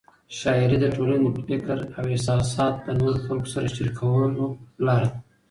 شاعري د ټولنې د فکر او احساسات د نورو خلکو سره شریکولو لار ده.